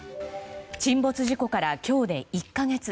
沈没事故から今日で１か月。